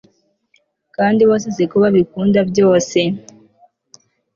kandi bose si ko babikunda byose